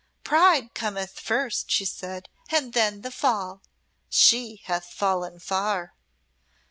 'Pride cometh first,' she said, 'and then the fall. She hath fallen far.'"